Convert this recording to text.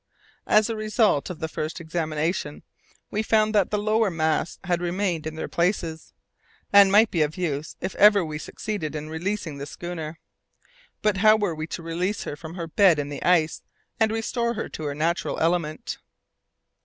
As a result of the first examination, we found that the lower masts had remained in their places, and might be of use if ever we succeeded in releasing the schooner. But how were we to release her from her bed in the ice and restore her to her natural element?